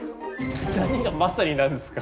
何がまさになんですか。